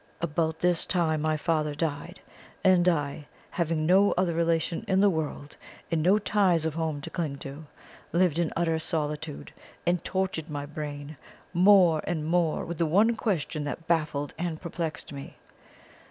About this time my father died, and I, having no other relation in the world, and no ties of home to cling to, lived in utter solitude, and tortured my brain more and more with the one question that baffled and perplexed me.